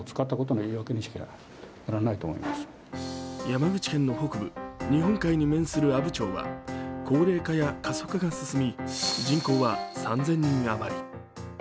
山口県の北部、日本海に面する阿武町は高齢化や過疎化が進み人口は３０００人あまり。